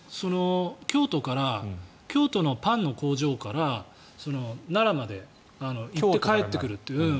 京都のパンの工場から奈良まで行って帰ってくるという。